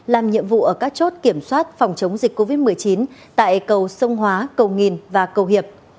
làm nhiệm vụ ở các chốt kiểm soát phòng chống dịch covid một mươi chín tại cầu sông hóa cầu nghìn và cầu hiệp